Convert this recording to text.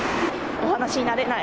お話しになれない？